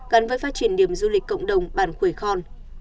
gắn với phát triển điểm du lịch cộng đồng bản khuê khon